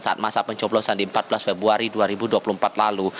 saat masa pencoblosan di empat belas februari dua ribu dua puluh empat lalu